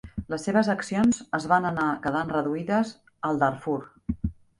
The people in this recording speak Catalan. Les seves accions es van anar quedant reduïdes al Darfur.